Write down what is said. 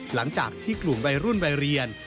หลังจากที่กลุ่มวัยรุ่นวัยเรียน